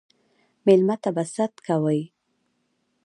ميلمه ته به ست کوئ